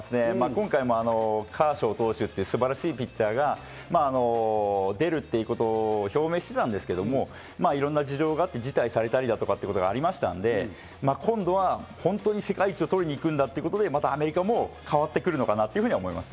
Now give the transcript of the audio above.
今回、カーショー投手という素晴らしいピッチャーが出るということを表明していたんですけど、いろんな事情があって辞退されたりということがありましたので、今度は本当に世界一を取りに行くんだということでアメリカも変わってくるかなと思います。